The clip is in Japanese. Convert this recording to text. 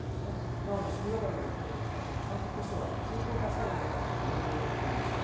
なので守備固めで使っても、監督としては相当助かるんじゃないかなというふうに思いますね。